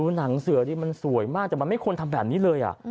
หนังเสือดิมันสวยมากแต่มันไม่ควรทำแบบนี้เลย